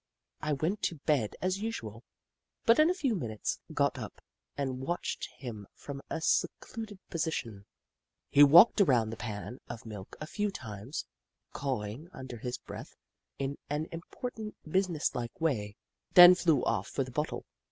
I went to bed as usual, but in a few minutes got up and watched him from a secluded position. He walked around the pan of milk a few times, cawing under his breath in an im portant, businesslike way, then flew off for the bottle.